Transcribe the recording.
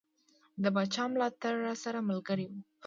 د پاچا ملاتړ راسره ملګری وو.